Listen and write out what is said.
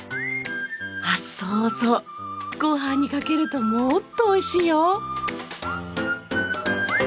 あっそうそうご飯にかけるともっと美味しいよ！